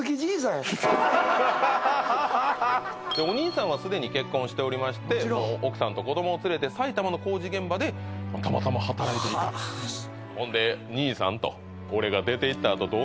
お兄さんは既に結婚しておりまして奥さんと子どもを連れて埼玉の工事現場でたまたま働いていたほんで「兄さん俺が出ていったあと」